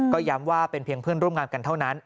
ก็ย้ำว่าเป็นเพียงเพื่อนร่วมงานกันเท่านั้น